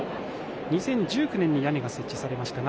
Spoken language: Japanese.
２０１９年に屋根が設置されましたが